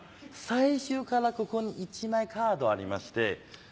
最初からここに１枚カードありまして。